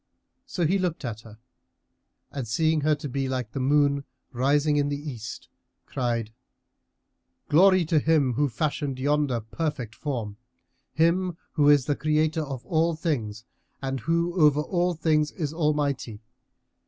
So he looked at her and seeing her to be like the moon rising in the East, cried, "Glory to Him who fashioned yonder perfect form, Him who is the Creator of all things and who over all things is Almighty!